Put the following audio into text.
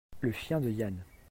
Le chien de Yann.